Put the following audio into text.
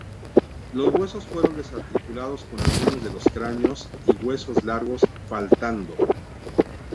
Los huesos fueron desarticulados con algunos de los cráneos y huesos largos faltando.